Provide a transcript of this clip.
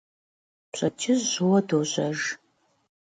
Пщэдджыжь жьыуэ дожьэж.